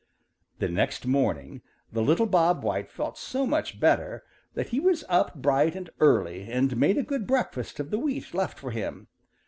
The next morning the little Bob White felt so much better that he was up bright and early and made a good breakfast of the wheat left for him.